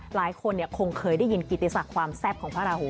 หลายคนคงเคยได้ยินกิติศักดิ์ความแซ่บของพระราหู